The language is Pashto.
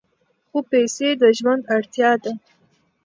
خو پیسې د ژوند اړتیا ده.